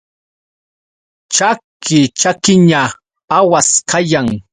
Chaki chakiña awas kayan.